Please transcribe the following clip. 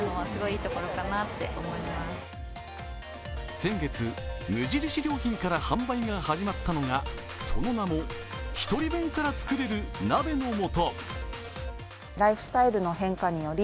先月、無印良品から販売が始まったのがその名もひとり分からつくれる鍋の素。